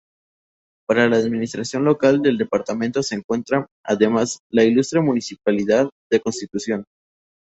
Para la administración local del departamento se encuentra, además, la Ilustre Municipalidad de Constitución.